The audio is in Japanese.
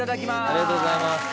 ありがとうございます。